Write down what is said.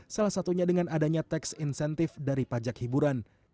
salah satunya dengan adanya tax insentif dari pajak hiburan